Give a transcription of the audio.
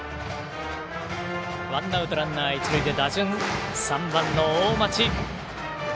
ワンアウトランナー、一塁で打順は３番の大町。